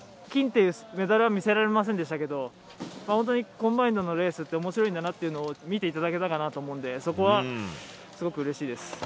金っていうメダルは見せられませんでしたけど、本当にコンバインドのレースっておもしろいんだなっていうのを見ていただけたかなと思うんで、そこはすごくうれしいです。